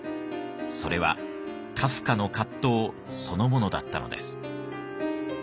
それはカフカの葛藤そのものだったのです。